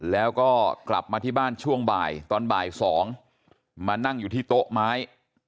แล้วก็กลับมาที่บ้านช่วงบ่ายตอนบ่าย๒มานั่งอยู่ที่โต๊ะไม้